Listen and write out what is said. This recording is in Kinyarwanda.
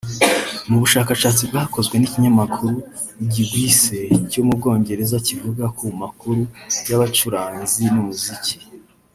Mu bushakashatsi bwakozwe n’ikinyamakuru Gigwise cyo mu Bwongereza kivuga ku makuru y’abacuranzi n’umuziki